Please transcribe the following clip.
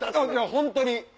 本当に。